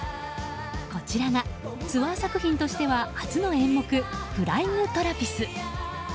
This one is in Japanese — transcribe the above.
こちらがツアー作品としては初の演目、フライング・トラピス。